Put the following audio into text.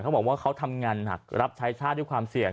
เขาบอกว่าเขาทำงานหนักรับใช้ชาติด้วยความเสี่ยง